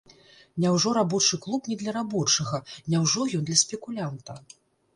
Няўжо рабочы клуб не для рабочага, няўжо ён для спекулянта?